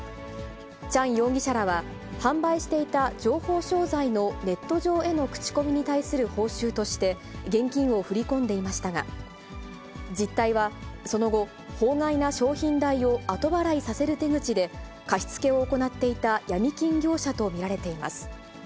チャン容疑者らは、販売していた情報商材のネット上への口コミに対する報酬として現金を振り込んでいましたが、実態は、その後、法外な商品代を後払いさせる手口で、貸し付けを行っていた闇金業者と見られています。